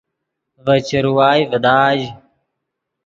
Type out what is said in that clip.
ڤے چروائے ڤداژ